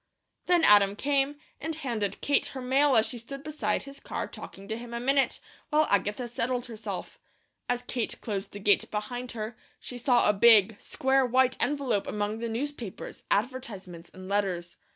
Then Adam came, and handed Kate her mail as she stood beside his car talking to him a minute, while Agatha settled herself. As Kate closed the gate behind her, she saw a big, square white envelope among the newspapers, advertisements, and letters.